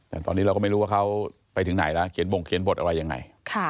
แต่ตอนนี้เราก็ไม่รู้ว่าเขาไปถึงไหนแล้วเขียนบงเขียนบทอะไรยังไง